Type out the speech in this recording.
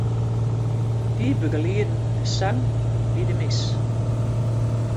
Dy begelieden de sang by de mis.